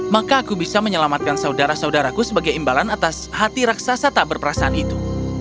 maka aku bisa menyelamatkan saudara saudaraku sebagai imbalan atas hati raksasa tak berperasaan itu